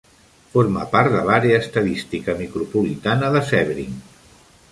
Forma part de l'àrea estadística micropolitana de Sebring.